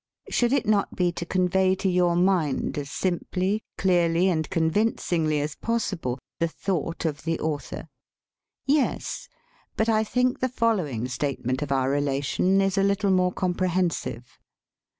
Should it not be to convey to your mind as simply, clearly, and convincingly as possible the thought of the author? Yes, but I think the following statement of our relation is a little more comprehensive.